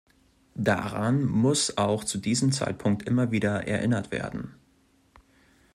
Daran muss auch zu diesem Zeitpunkt immer wieder erinnert werden.